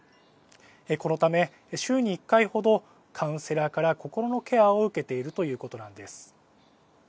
このため、週に１回ほどカウンセラーから心のケアを受けているということなんです。